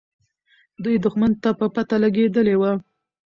دوی دښمن ته پته لګولې وه.